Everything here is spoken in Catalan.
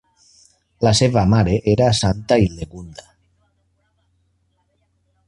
La seva mare era santa Hildegunda.